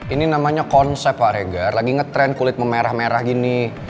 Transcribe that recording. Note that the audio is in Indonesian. ini namanya konsep pak reger lagi ngetrend kulit memerah merah gini